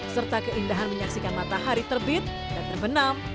serta keindahan menyaksikan matahari terbit dan terbenam